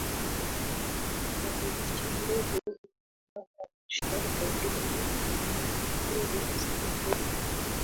mwandishi wetu kutoka arusha rodely nitateu sindela